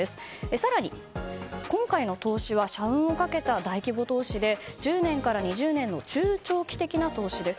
更に、今回の投資は社運をかけた大規模投資で１０年から２０年の中長期的な投資です。